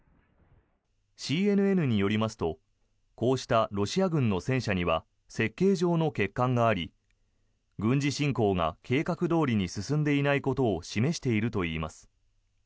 ＣＮＮによりますとこうしたロシア軍の戦車には設計上の欠陥があり軍事侵攻が計画どおりに進んでいないことを示しているといいます。